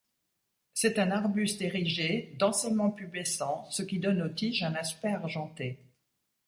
C'est un arbuste érigé, densément pubescent ce qui donne aux tiges un aspect argenté.